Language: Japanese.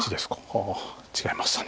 はあ違いました。